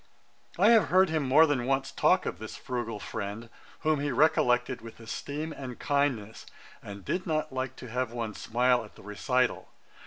I have heard him more than once talk of this frugal friend, whom he recollected with esteem and kindness, and did not like to have one smile at the recital.